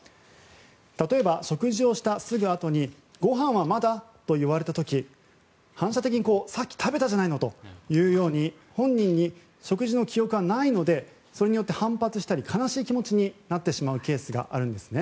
例えば、食事をしたすぐあとにごはんまだ？と言われた時反射的に、さっき食べたじゃないの！というように本人に食事の記憶がないのでそれによって反発したり悲しい気持ちになるケースがあるそうです。